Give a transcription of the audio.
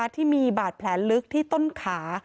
ที่มีบาดแผลลึกที่ต้นขา